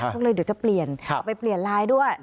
ก็เลยเดี๋ยวจะเปลี่ยนเอาไปเปลี่ยนไลน์ด้วย